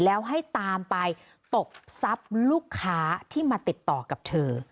แล้วให้ตามไปตบทรัพย์ลูกค้าที่มาติดต่อกับเธอ